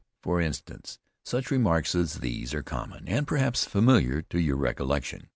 For instance, such remarks as these are common, and perhaps familiar to your recollection.